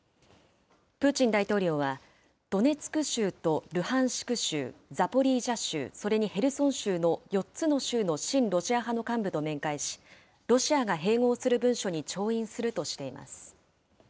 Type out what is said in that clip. プーチン大統領は、ドネツク州とルハンシク州、ザポリージャ州、それにヘルソン州の４つの州の親ロシア派の幹部と面会し、ロシアが併合する文書に調印するとしています。